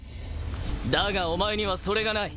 だがお前にはそれがない。